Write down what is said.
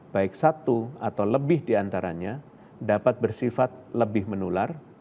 baik satu atau lebih diantaranya dapat bersifat lebih menular